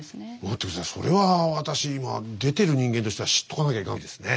待って下さいそれは私今出てる人間としては知っとかなきゃいかんですね。